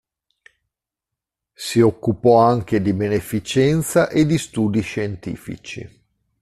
Si occupò anche di beneficenza e di studi scientifici.